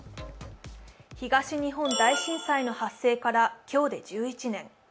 東日本大震災の発生から今日で１１年。